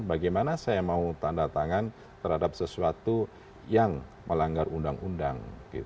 bagaimana saya mau tanda tangan terhadap sesuatu yang melanggar undang undang